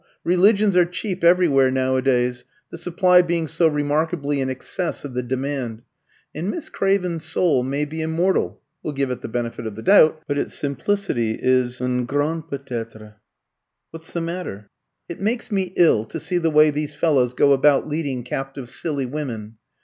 Religions are cheap everywhere nowadays, the supply being so remarkably in excess of the demand, and Miss Craven's soul may be immortal (we'll give it the benefit of the doubt), but its simplicity is un grand peut être. What's the matter?" "It makes me ill to see the way these fellows go about leading captive silly women.